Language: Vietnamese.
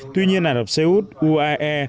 tuy nhiên ả rập xê út uae